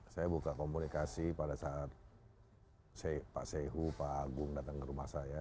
saya buka komunikasi pada saat pak sehu pak agung datang ke rumah saya